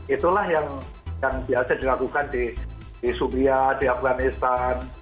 itulah yang biasa dilakukan di subia di afghanistan